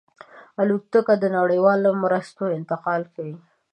الوتکه د نړیوالو مرستو انتقال کوي.